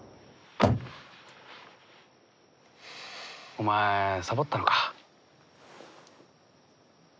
お前サボったのか？